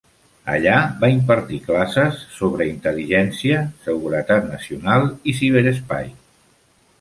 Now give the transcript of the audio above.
Allà va impartir classes sobre intel·ligència, seguretat nacional i ciberespai.